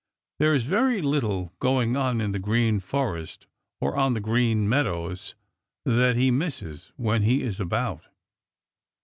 There is very little going on in the Green Forest or on the Green Meadows that he misses when he is about.